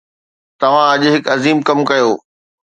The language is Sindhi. توهان اڄ هڪ عظيم ڪم ڪيو